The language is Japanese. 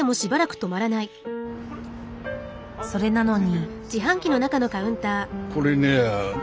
それなのに。